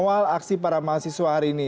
awal aksi para mahasiswa hari ini